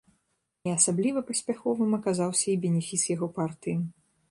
Не асабліва паспяховым аказаўся і бенефіс яго партыі.